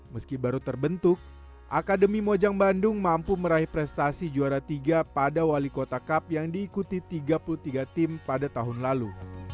meski baru terbentuk akademi mojang bandung mampu meraih prestasi juara tiga pada wali kota cup yang diikuti tiga puluh tiga tim pada tahun lalu